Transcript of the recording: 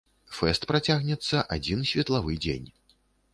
Фэст працягнецца адзін светлавы дзень.